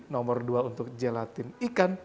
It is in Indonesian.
nomor dua untuk gelatin ikan